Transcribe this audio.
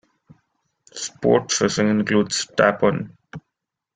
Sport fishing includes tarpon.